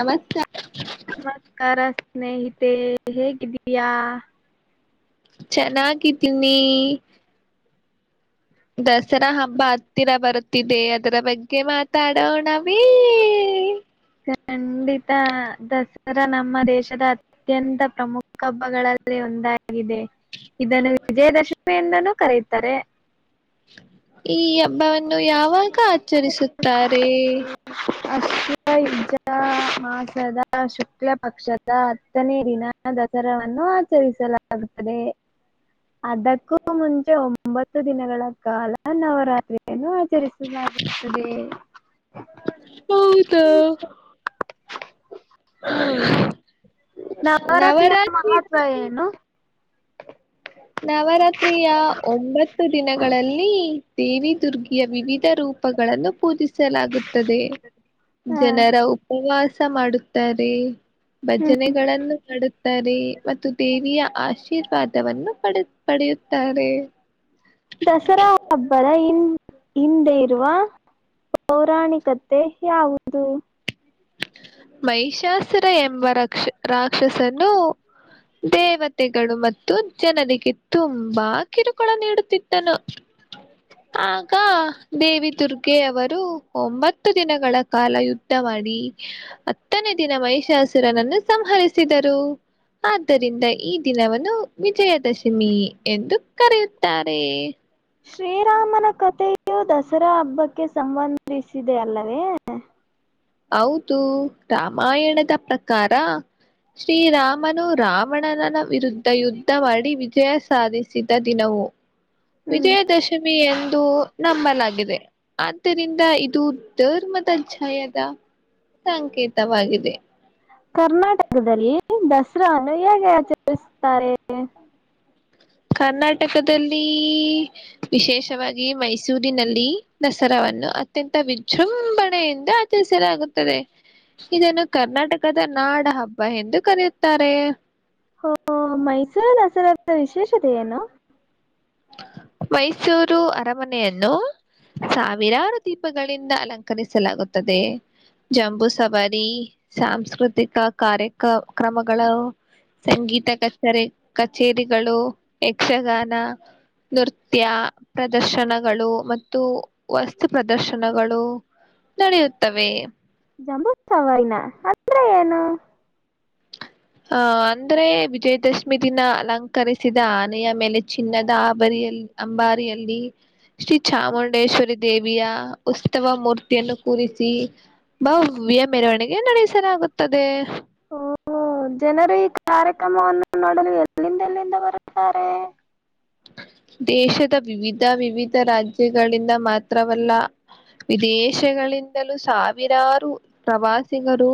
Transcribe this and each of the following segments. ನಮಸ್ಕಾರ ನಮಸ್ಕಾರ ಸ್ನೇಹಿತೆ ಹೇಗಿದ್ದೀಯಾ ಚೆನ್ನಾಗಿದ್ದೀನಿ ದಸರಾ ಹಬ್ಬ ಹತ್ತಿರ ಬರುತ್ತಿದೆ ಅದರ ಬಗ್ಗೆ ಮಾ ತಾಡೋಣಾಮ ಖಂಡಿತ ದಸರಾ ನಮ್ಮ ದೇಶದ ಅತ್ಯಂತ ಪ್ರಮುಖ ಹಬ್ಬಗಳ ಒಂದಾಗಿದೆ ಇದನ್ನು ವಿಜಯದಶಮಿ ಎಂದನೂ ಕರೆಯುತ್ತಾರೆ ಈ ಹಬ್ಬವನ್ನು ಯಾವಾಗ ಆಚರಿಸುತ್ತಾರೆ ಅ ವ ಯು್ಧ ಮಾಸದ ಶುಕ್ಲ ಪಕ್ಷದ ಹತ್ತನೇ ದಿನ ದಸರನ್ನು ಆಚರಿಸಲಾಗುತ್ತದೆ ಅದಕ್ಕೂ ಮುಂಚೆ ಒಂಬತ್ತು ದಿನಗಳ ಕಾಲ ನವರಾತ್ರಿಯನ್ನು ಆಚರಿಸುದ ಅ ಸರಿ ಹೌದ ಹ್ಮ ನವರಾತ್ರಿಯ ನವರಾತ್ರಿ ಮಹತ್ವ ಏನು ನವರಾತ್ರಿಯ ಒಂಬತ್ತು ದಿನಗಳಲ್ಲಿ ದೇವಿ ದುರ್ಗ ವಿವಿಧ ರೂಪಗಳನ್ನು ಪೂಜಿಸಲಾಗುತ್ತದೆ ಹ ಜನರ ಉಪವಾಸ ಸ ಮಾಡುತ್ತಾರೆ ಭಜನೆಗಳನ್ನು ಮಾಡುತ್ತಾರೆ ಮತ್ತು ದೇವಿಯ ಆಶೀರ್ವಾದವನ್ನು ಪಡೆ ಪಡೆಯುತ್ತಾರೆ ದಸರಾ ಹಬ್ಬದ ಇನ್ ಹಿಂದೆ ಇರುವ ಪೌರಾಣಿಕತೆ ಯಾವುದು ಮಹಿಷಾಸುರ ಎಂಬ ರಾಕ್ಷ ರಾಕ್ಷಸನು ೆಗಳು ಮತ್ತು ಜನರಿಗೆ ತುಂಬಾ ಕಿರುಕುಳ ನೀಡುತ್ತಿದ್ದನು ಆಗ ದೇವಿ ದುರ್ಗೆವರು ಒಂಬತ್ತು ದಿನಗಳ ಕಾಲ ಯುದ್ಧ ಮಾಡಿ ಹತ್ತನೇ ದಿನ ಮಹಿಷಾಸುರನನ್ನು ಸಂಹರಿಸಿದರು ಆದ್ದರಿಂದ ಈ ದಿನವನ್ನು ವಿಜಯದಶಮಿ ಎಂದು ಕರೆಯುತ್ತಾರೆ ಶ್ರೀರಾಮನ ಕಥೆಯು ದಸರಾ ಹಬ್ಬಕ್ಕೆ ಸಂಬಂಧಿಸಿದೆ ಅಲ್ಲವೇ ಹೌದು ರಾಮಾಯಣದ ಪ್ರಕಾರ ಶ್ರೀರಾಮನು ರಾವಣನ ವಿರುದ್ಧ ಯುದ್ಧ ಮಾಡಿ ವಿಜಯ ಸಾಧಿಸಿದ ದಿನವು ಹ್ಮ್ ವಿಜಯದಶಮಿ ಎಂದು ನಂಬಲಾಗಿದೆ ಆದ್ದರಿಂದ ಇದು ಧರ್ಮ ಜಯದ ಸಂಕೇತವಾಗಿದೆ ಕರ್ನಾಟಕದಲ್ಲಿ ದಸರನ್ನು ಹೇಗೆ ಆಚರಿಸುತ್ತಾರೆ ಕರ್ನಾಟಕದಲ್ಲಿ ವಿಶೇಷವಾಗಿ ಮೈಸೂರಿನಲ್ಲಿ ದಸರಾ ನ್ನು ಅತ್ಯಂತ ವಿಜೃಂಭಣೆಯಿಂದ ಆಚರಿಸಲಾಗುತ್ತದೆ ಇದನ್ನು ಕರ್ನಾಟಕದ ನಾಡ ಹಬ್ಬ ಎಂದು ಕರೆಯುತ್ತಾರೆ ಹ ಮೈಸೂರ ದ ದಸರಾದ ವಿಶೇಷತೆ ಏನು ಮೈಸೂರು ಅರಮನೆಯನ್ನು ಸಾವಿರಾರು ದೀಪಗಳಿಂದ ಅಲಂಕರಿಸಲಾಗುತ್ತದೆ ಜಂಬೂ ಸವಾರಿ ಸಾಂಸ್ಕೃತಿಕ ಕಾರ್ಯಕ ಕ್ರಮಗಳು ಸಂಗೀತ ಕಚರಿ ಕಚೇರಿಗಳು ಯಕ್ಷಗಾನ ನೃತ್ಯ ಪ್ರದರ್ಶನಗಳು ಮತ್ತು ವಸ್ತು ಪ್ರದರ್ಶನಗಳು ನಡೆಯುತ್ತವೆ ಸವರಿನಾ ಅಂದ್ರೆ ಏನು ಹ ಅಂದ್ರೆ ವಿಜಯದಶಮಿ ದಿನ ಅಲಂಕರಿಸಿದ ಆನೆಯ ಮೇಲೆ ಚಿನ್ನದ ಆಬರಿಯಲ್ಲಿ ಅಂಬಾರಿಯಲ್ಲಿ ಶ್ರೀ ಚಾಮುಂಡೇಶ್ವರಿ ದೇ ದೇವಿಯ ಉತ್ಸವ ಮೂರ್ತಿಯನ್ನು ಕೂರಿಸಿ ಭವ್ಯ ಮೆರವಣಿಗೆ ನಡೆಸಲಾಗುತ್ತದೆ ಹ ಜನರು ಈ ಕಾರ್ಯಕ್ರಮವನ್ನು ನೋಡಲು ಎಲ್ಲಿಂದ ಎಲ್ಲಿಂದ ಬರುತ್ತಾರೆ ದೇಶದ ವಿವಿಧ ವಿವಿಧ ರಾಜ್ಯಗಳಿಂದ ಮಾತ್ರವಲ್ಲ ವಿದೇಶಗಳಿಂದಲೂ ಸಾವಿರಾರು ಪ್ರವಾಸಿ ಸಿಗರು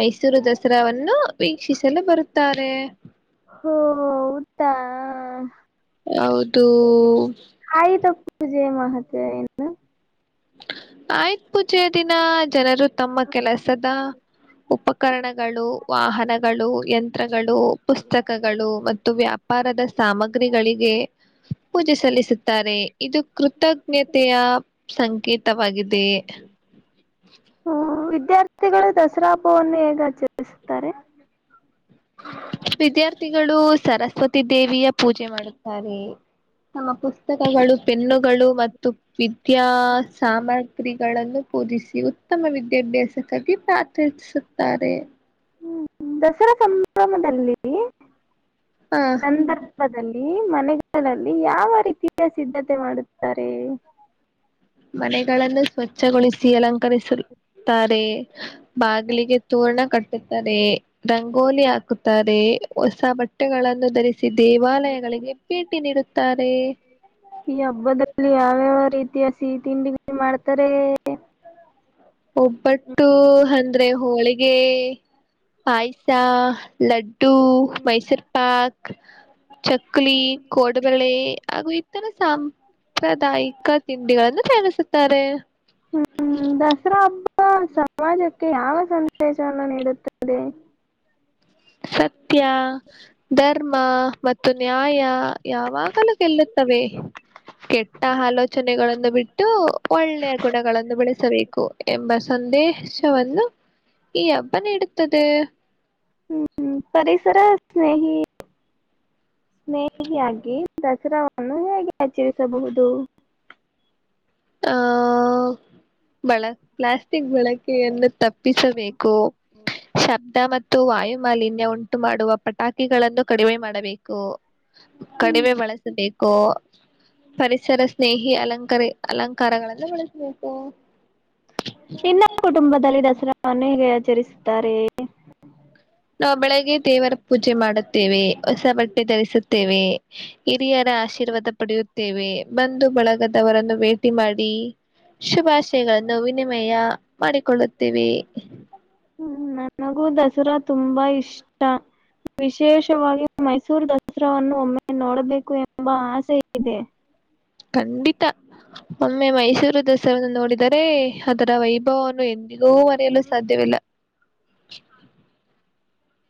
ಮೈಸೂರು ದಸರಾವನ್ನು ವೀಕ್ಷಿಸಲು ಬರುತ್ತಾರೆ ಹೋ ಹೌದ ಹೌದು ಹಾಯಿ ತಪ್ಪೂಜೆ ಮಹತ್ ನು ಆಯ್ತ್ ಪೂಜೆಯ ದಿನ ಜನರು ತಮ್ಮ ಕೆಲಸದ ಉಪಕರಣಗಳು ವಾಹನಗಳು ಯಂತ್ರ ಪುಸ್ತಕಗಳು ಮತ್ತು ವ್ಯಾಪಾರದ ಸಾಮಗ್ರಿಗಳಿಗೆ ಪೂಜೆ ಸಲ್ಲಿಸುತ್ತಾರೆ ಇದು ಕೃತಜ್ಞತೆಯ ಸಂಖ ವಾಗಿದೆ ಹ್ಮ ವಿದ್ಯಾರ್ಥಿಗಳು ದಸರಾ ಹಬ್ವನ್ನು ಹೇಗ ಆಚರಿಸುತ್ತಾರೆ ವಿದ್ಯಾರ್ಥಿಗಳು ಸರಸ್ವತಿ ದೇವಿಯ ಪೂಜೆ ಮಾಡುತ್ತಾರೆ ತಮ್ಮ ಪುಸ್ತಕಗಳು ಪೆನ್ನುಗಳು ಮತ್ತು ವಿದ್ಯಾ ಸಾಮಗ್ರಿಗಳನ್ನು ಕೋದಿಸಿ ಉತ್ತಮ ವಿದ್ಯಾಭ್ಯಾಸಕ್ಕಾಗಿ ಪ್ರಾರ್ಥಿಸುತ್ತಾರೆ ಹ್ಮ್ ದಸರಾ ಸಂಭ್ರಮದಲ್ಲಿ ಹ ಸಂದರ್ಭದಲ್ಲಿ ಮನೆಗೆ ಲ್ಲಿ ಯಾವ ರೀತಿಯ ಸಿದ್ಧತೆ ಮಾಡುತ್ತಾರೆ ಮನೆಗಳನ್ನು ಸ್ವಚ್ಛಗೊಳಿಸಿ ಅಲಂಕರಿಸಲು ರೆ ಬಾಗಿಲಿಗೆ ತೊರಣ ಕಟ್ಟುತ್ತಾರೆ, ರಂಗೋಲಿ ಹಾಕುತ್ತಾರೆ, ಹೊಸ ಬಟ್ಟೆಗಳನ್ನು ಧರಿಸಿ ದೇವಾಲಯಗಳಿಗೆ ಭೇಟಿ ನೀಡುತ್ತ ಈ ಹಬ್ಬದಲ್ಲಿ ಯಾವ್ಯಾವ ಇತಿವಾಸಿ ತಿಂಡಿ ಮಾಡ್ತಾರೆ. ಒಬ್ಬಟ್ಟು ಹ್ಮ್, ಅಂದ್ರೆ ಹೋಳಿಗೆ, ಪಾಯಸಾ, ಲಡ್ಡು, ಹ್ಮ್, ಮೈಸೂರು ಪಾಕ್, [unintelligible] ಚಕ್ಲಿ ಕೋಡಬಳೆ ಹಾಗು ಈತರ ಸಾಂಬ್ ಪ್ರದಾಯಿಕ ತಿಂಡಿಗಳನ್ನು ತಯಾಣಿಸುತ್ತಾರೆ ಹ್ಮ್್ಮ ದಸರಾ ಹಬ್ಬ ಸಮಾಜಕ್ಕೆ ಯಾವ ಸಂದೇಶವನ್ನು ನೀಡುತ್ತದೆ ಸತ್ಯ ಧರ್ಮ ಮತ್ತು ನ್ಯಾಯ ಯಾವಾಗಲೂ ಗೆಲ್ಲುತ್ತ ವೇ ಕೆಟ್ಟ ಆಲೋಚನೆಗಳನ್ನು ಬಿಟ್ಟು ಒಳ್ಳೆಯ ಗುಣಗಳನ್ನು ಬೆಳೆಸಬೇಕು. ಎಂಬ ಸಂದೇಶವನ್ನು ಈ ಹಬ್ಬ ನೀಡುತ್ತದೆ. ಹ್ಮ್ ಪರಿಸರ ಸ್ನೇಹಿ ಸ್ನೇಹಿಯಾಗಿ ದಸರಾವನ್ನು ಹೇಗೆ ಆಚರಿಸಬಹುದು. ಆ ಬಳ ಪ್ಲಾಸ್ಟಿಕ್ ಬಳಕೆ ಎನ್ನು ತಪ್ಪಿಸಬೇಕು ಶಬ್ದ ಮತ್ತು ಮತ್ತು ವಾಯುಮಾಲನ್ಯ ಉಂಟು ಮಾಡುವ ಪಟಾಕಿಗಳನ್ನು ಕಡಿಮೆ ಮಾಡಬೇಕು ಕಡಿಮೆ ಬಳಸಬೇಕು ಪರಿಸರ ಸ್ನೇಹಿ ಅಲಂಕ ಅಲಂಕಾರಗಳೆಲ್ಲ ಬಳಸಬೇಕು. ನೀನ್ನ ಕುಟುಂಬದಲ್ಲಿ ದಸರಾವನ್ನು ಹೇಗೆ ಆಚರಿಸುತ್ತಾರೆ ನಾವು ಬೆಳಿಗ್ಗೆ ದೇವರ ಪೂಜೆ ಮಾಡುತ್ತೇವೆ ಹೊಸ ಬಟ್ಟೆ ಧರಿಸುತ್ತೇವೆ ಹಿರಿಯರ ಆಶೀರ್ವಾದ ಪಡೆಯುತ್ತೇವೆ. ಬಂದು ಬಳಗದವರನ್ನು ಭೇಟಿ ಮಾಡಿ ಶುಭಾಶಯಗಳನ್ನು ವಿನಿಮಯ ಮಾಡಿಕೊಳ್ಳುತ್ತೆವೇ ಹ್ಮ್ ನನಗೂ ದಸರಾ ತುಂಬಾ ಇಷ್ಟಾ ವಿಶೇಷವಾಗಿ ಮೈಸೂರು ದಸರಾವನ್ನು ಒಮ್ಮೆ ನೋಡಬೇಕು ಎಂಬ ಆಸೆ ಇದೆ. ಕಂಡಿತಾ ಒ ಒಮ್ಮೆ ಮೈಸೂರು ದಸರನ್ನು ನೋಡಿದರೆ ಅದರ ವೈಭವವನ್ನು ಎಂದಿಗೂ ಮರೆಯಲು ಸಾಧ್ಯವಿಲ್ಲಾ [unintelligible]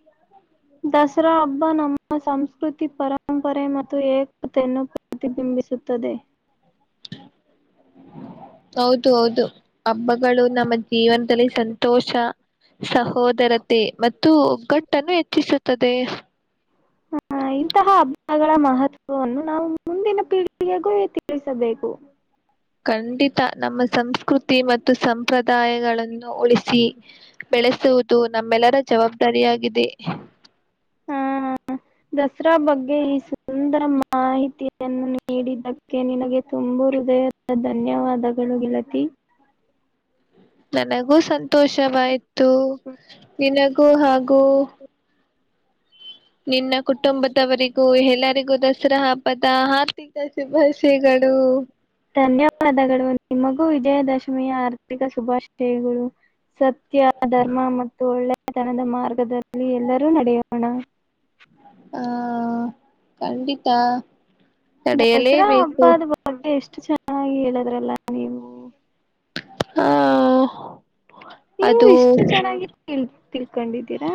[unintelligible] ದಸರಾ ಹಬ್ಬ ನಮ್ಮ ಸಂಸ್ಕೃತಿ ಪರಂಪರೆ ಮತ್ತು ಏಕತೆಯನ್ನು ಪ್ರತಿಬಿಂಬಿಸ ಸುತ್ತದೆ ಹೌದು ಹೌದು ಹಬ್ಬಗಳು ನಮ್ಮ ಜೀವನದಲ್ಲಿ ಸಂತೋಷ, ಸಹೋದರತೆ ಮತ್ತು ಒಗ್ಗಟ್ಟನ್ನು ಹೆಚ್ಚಿಸುತ್ತದೆ. ಹಾ ಇಂತಹ ಗಳ ಮಹತ್ವವನ್ನು ನಾವು ಮುಂದಿನ ಪೀಳಿಗೆಗೂ ತಿಳಿಸಬೇಕು. ಖಂಡಿತ ನಮ್ಮ ಸಂಸ್ಕೃತಿ ಮತ್ತು ಸಂಪ್ರದಾಯಗಳನ್ನು ಉಳಿಸಿ, ಬೆಳೆಸುವುದು ನಮ್ಮೆಲ್ಲರ ಜವಾಬ್ದಾರಿಯಾಗಿದೆ. ಆ, ದಸರಾ ಬಗ್ಗೆ ಒಂದರ ಮಾಹಿತಿಯನ್ನು ನೀಡಿದ್ದಕ್ಕೆ ನಿನಗೆ ತುಂಬು ಹೃದಯದ ಧನ್ಯವಾದಗಳು. ಗೆಳತಿ ನನಗೂ ಸಂತೋಷವಾಯ್ತು ನಿನಗೂ ಹಾಗೂ ನಿನ್ನ ಕುಟುಂಬದವರಿಗೂ ಎಲ್ಲರಿಗೂ ದಸರಾ ಹಬ್ಬದ ಹಾರ್ದಿಕ ಶುಭಾಶಯಗಳು. ಗಳು ನಿಮಗೂ ವಿಜಯದಶಮಿಯ ಹಾರ್ಥಿಕ ಶುಭಾಶಯಗಳು. ಸತ್ಯ ಧರ್ಮ ಮತ್ತು ಒಳ್ಳೆ ತನದ ಮಾರ್ಗದಲ್ಲಿ ಎಲ್ಲರೂ ನಡೆಯೋಣ ಹಾ ಕಂಡಿತಾ ತಡೆಯಲ್ಲೇ ಬೀಸು ಅಷ್ಟು ಚೆನ್ನಾಗಿ ಹೇಳದ್ರಲ್ಲ ನೀವು ಹ ನೀವು ಇಷ್ಟು ಚೆನ್ನಾಗಿ ತಿಳ್ ತಿಳ್ಕೊಂಡಿದ್ದೀರಾ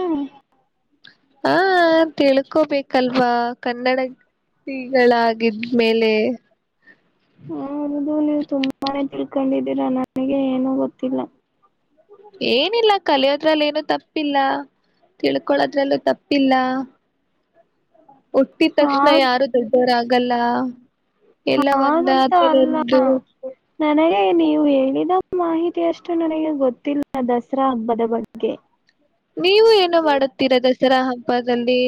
ಹ ತಿಳ್ಕೋಬೇಕಲ್ವಾ ಕನ್ನಡ ಗಳಾಗಿದ್ಮೇಲೆ ಹೌದು ನೀವು ತುಂಬಾನೇ ತಿಳ್ಕೊಂಡಿದ್ದೀರಾ ನನಗೆ ಏನು ಗೊತ್ತಿಲ್ಲ ಏನಿಲ್ಲ ಕಲಿಯೋದ್ರಲ್ಲಿ ಏನು ತಪ್ಪಿಲ್ಲಾ, ತಿಳ್ಕೊಳೋದ್ರಲ್ಲೂ ತಪ್ಪಿಲ್ಲಾ, ಹುಟ್ಟಿದ ತಕ್ಷಣ ಹಾಗ್ ಯಾರು ದೊಡ್ಡವರ ಆಗಲ್ಲಾ ಎಲ್ಲ ಒಂದ ಹಾಗಂತ ಆತರ ಒಂದು ೇ ನೀವು ಹೇಳಿದ ಮಾಹಿತಿ ಅಷ್ಟು ನನಗೆ ಗೊತ್ತಿಲ್ಲ ದಸರಾ ಹಬ್ಬದ ಬಗ್ಗೆ ನೀವು ಏನು ಮಾಡುತ್ತೀರಾ ದಸರಾ ಹಬ್ಬದಲ್ಲಿ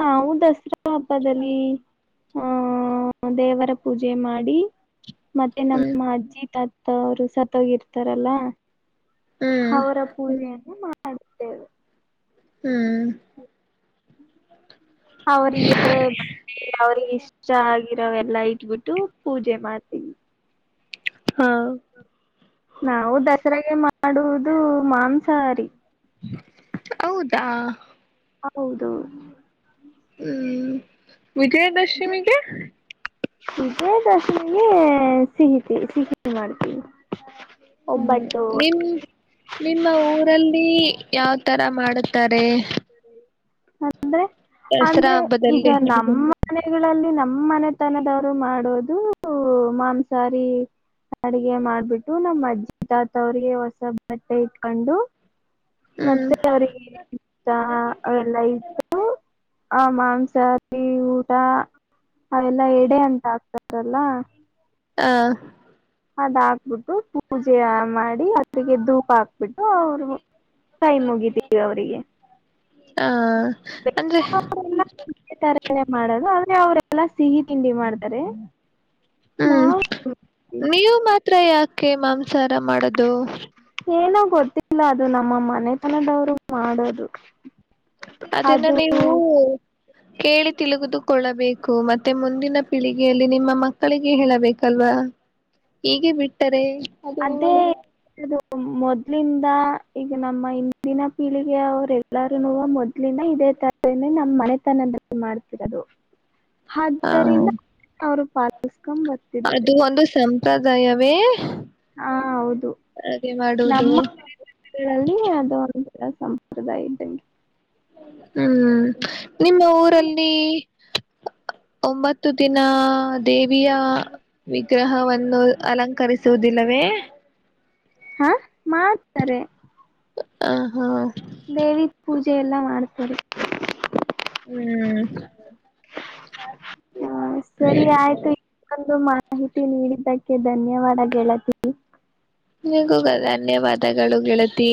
ನಾವು ದಸರಾ ಹಬ್ಬದಲ್ಲಿ ಹ್ಮ ದೇವರ ಪೂಜೆ ಮಾಡಿ ಮತ್ತೆ ಹ್ಮ್ ನಮ್ಮ ಅಜ್ಜಿ ತಾತ ಅವರು ಸತ್ತೋಗಿರ್ತಾರಲ್ಲ ಹ್ಮ್ ಅವರ ಪೂಜೆಯನ್ನು ಮಾಡುತ್ತೇವೆ ಹ್ಮ್ ಅವರಿಗೆ ಅವ್ರಿಗೆ ಇಷ್ಟ ಆಗ ರೆಲ್ಲಾ ಇಟ್ಬಿಟ್ಟು ಪೂಜೆ ಮಾಡ್ತೀವಿ ಹಾ ನಾವು ದಸರಾಗ ಮಾಡುವುದು ಮಾಂಸಹಾರಿ ಹೌದಾ ಹೌದೌದು ಹ್ಮ್ ವಿಜಯದಶಮಿಿಗೆ ಇದಜಯ ದರ್ಶಮಿಗೆ ಸಿಹಿತ ಸಿಹಿ ಮಾಡ್ತೀವಿ ಹ್ಮ್ ಒಬ್ಬಟ್ಟು ನಿಮ್ ನಿಮ್ಮ ಊರಲ್ಲಿ ಯಾವ್ ತರ ಮಾಡುತ್ತಾರೆ ಅಂದ್ರೆ ದಸರಾ ಅಂದ್ರೆ ಈಗ ಹಬ್ಬದಲ್ಲಿ ನಮ್ಮನೆ ಗಳಲ್ಲಿ ನಮ್ಮ್ ಮನೆತನದವ್ರು ಮಾಡೋದು ಮಾಂಸಾರಿ ಅಡಗೆ ಮಾಡ್ಬಿಟ್ಟು ನಮ್ಮ ಅಜ್ಜಿ ತಾತ ಅವ್ರಿಗೆ ಹೊಸ ಬಟ್ಟೆ ಇಟ್ಕೊಂಡು ಹ್ಮ್ ಮತ್ತೆ ಅವ್ರಿಗೆ ಊ ಅವ ಎಲ್ಲ ಇತ್ತು ಆ ಮಾಂಸಾರಿ ಊಟ ಅವ ಎಲ್ಲಾ ಎಡೆ ಅಂತ ಆಗ್ತಾರಲ್ಲ ಹಾ ಅದಾಕ್ಬಿಟ್ಟು ಪೂಜೆ ಮಾಡಿ ಅದಿಗೆ ಧೂಪ ಆಾಕ್ತ ಬಿಿಟ್ಟು ಅವ್ರು ಟೈಮ ಮುಗಿದೀವಿ ಅವರಿಗೆ ಹಾ ಅಂದೆ ಅವ್ರಲ್ಲಾ ಸಿಹಿ ತಿಂಡಿ ಮಾಡ್ತಾರೆ ಹ್ಮ್ ನಾವು ನೀವು ಮಾತ್ರ ಯಾಕೆ ಮಾಂಸ ಸಾರ ಮಾಡದು ಇದು ನಮ್ಮ ಮನೆತನದವ್ರು ಮಾಡೋದು ಅದನ್ನ ಅದು ನೀವು ಕೇಳಿ ತಿಲುಗದುಕೊಳ್ಳಬೇಕು ಮತ್ತೆ ಮುಂದಿನ ಪೀಳಿಗೆಯಲ್ಲಿ ನಿಮ್ಮ ಮಕ್ಕಳಿಗೆ ಹೇಳಬೇಕಲ್ವಾ ಹೇಗೆ ಬಿಟ್ಟರೆ ಅದು ಅದೇ ನಿಮಗೂ ಮೊದ ಮೊದ್ಲಿಂದ ಈಗ ನಮ್ಮ ಇಿಂದಿನ ಪೀಳಿಗೆ ಅವರು ಎಲ್ಲಾರೂ ಮೊದ್ಲಿನ ಇದೇ ತರ ನಮ್ಮ್ ಮನೆತನದಲ್ಲಿ ಮಾಡ್ತಿರೋದು ಹ ಆದ್ದರಿಂದ ಅವರು ಪ ಅದು ಒಂದು ಸಂಪ್ರದಾಯವೇ ಹಾ ಹೌದು ಹಾಗೆ ಮಾಡುವುದು ನಮ್ಮಗಳಲ್ಲಿ ಅದು ಎ ಸಂಪ್ರದಾಯಂಗಿ ಹ್ಮ್ ನಿಮ್ಮ ಊರಲ್ಲಿ ಒಂಬತ್ತು ದಿನ ದೇವಿಯ ವಿಗ್ರಹವನ್ನು ಅಲಂಕರಿಸ ಸೂುದಿಲ್ಲವೇ ಹಾ ಮಾಡ್ತಾರೆ ಹ ಹಾ ದೇವಿ ಪೂಜೆ ಎಲ್ಲ ಮಾಡ್ತರಿ ಹ್ಮ್ ಹಾ ಸರಿ ಆಯ್ತು ಮಾಹಿತಿ ನೀಡಿದ್ದಕ್ಕೆ ಧನ್ಯವಾದ ಗೆಳತಿ ನಿಗ ಧನ್ಯವಾದಗಳು ಗೆಳತಿ